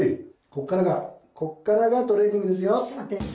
こっからがこっからがトレーニングですよ。